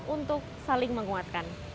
untuk saling menguatkan